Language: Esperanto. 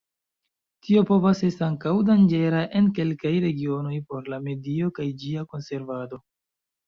Tio povas esti ankaŭ danĝera en kelkaj regionoj por la medio kaj ĝia konservado.